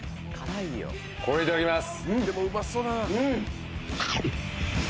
これいただきます。